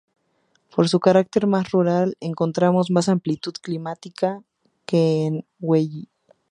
Por su carácter más rural encontramos más amplitud climática que en Gualeguaychú.